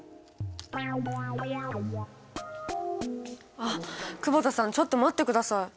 あっ久保田さんちょっと待ってください。